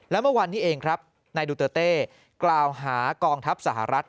และเมื่อวันนี้เองครับนายดูเตอร์เต้กล่าวหากองทัพสหรัฐ